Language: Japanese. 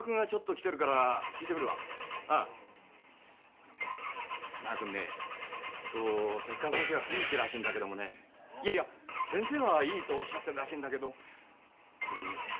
あのね満賀くんねちょっと手先生がピンチらしいんだけどもねいやいや先生は「いい」とおっしゃってるらしいんだけど君手伝ってもらえるかな？